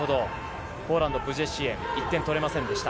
ポーランド、ブジェシエン、１点取れませんでした。